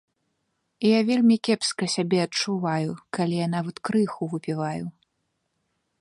Я вельмі кепска сябе адчуваю, калі я нават крыху выпіваю.